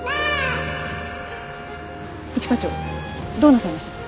一課長どうなさいました？